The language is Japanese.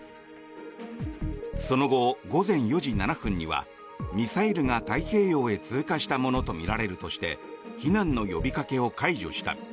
その後、午前４時７分にはミサイルが太平洋へ通過したものとみられるとして避難の呼びかけを解除した。